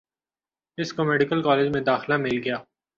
اس کو medical college میں داخلہ مل گیا